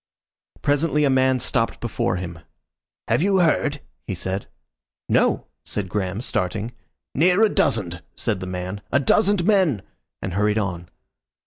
Presently a man stopped before him. "Have you heard?" he said. "No!" said Graham, starting. "Near a dozand," said the man, "a dozand men!" and hurried on.